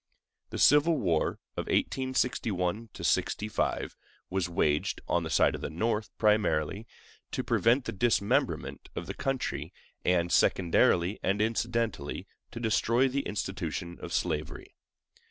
The civil war of 1861 65 was waged, on the side of the North, primarily, to prevent the dismemberment of the country, and, secondarily and incidentally, to destroy the institution of slavery.